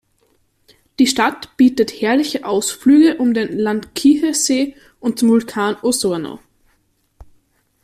Die Stadt bietet herrliche Ausflüge um den Llanquihue-See und zum Vulkan Osorno.